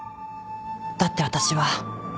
だって私は。